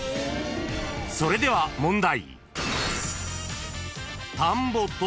［それでは問題］